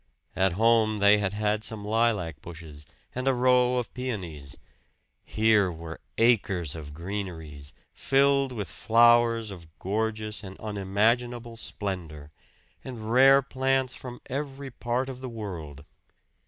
At home they had had some lilac bushes and a row of peonies; here were acres of greeneries, filled with flowers of gorgeous and unimaginable splendor, and rare plants from every part of the world.